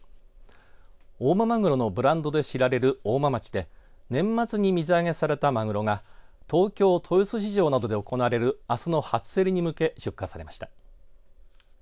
大間まぐろのブランドで知られる大間町で年末に水揚げされた、まぐろが東京豊洲市場などで行われるあすの初競りに向け出荷されました。